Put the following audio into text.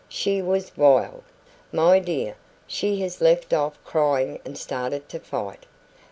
She WAS wild. My dear, she has left off crying and started to fight.